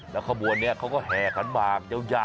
รบบวนเนี่ยเขาก็แห่ขาดบากยาวเลยไป